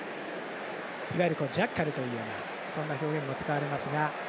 ジャッカルというような表現も使われます。